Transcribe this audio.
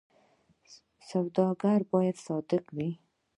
سوداګر باید صادق وي